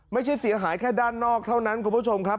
ไม่ใช่เสียหายแค่ด้านนอกเท่านั้นคุณผู้ชมครับ